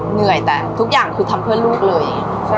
เหนื่อยแต่ทุกอย่างคือทำเพื่อลูกเลย